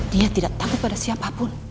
dia tidak tahu pada siapapun